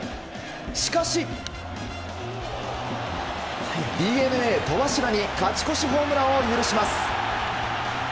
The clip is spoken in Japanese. しかしＤｅＮＡ、戸柱に勝ち越しホームランを許します。